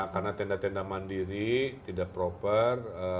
karena tenda tenda mandiri tidak proper